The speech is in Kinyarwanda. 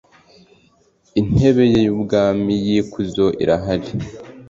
intebe ye y ubwami y ikuzo irahari